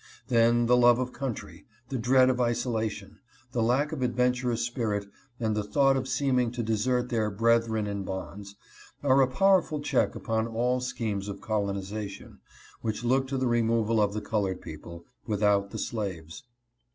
Then the love of country, the dread of isolation, the lack of adventurous spirit, and the thought of seeming to desert their "brethren in bonds," are a powerful check upon all schemes of colonization, which look to the removal of the colored people, without the slaves.